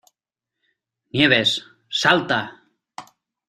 Nieves, ¡salta!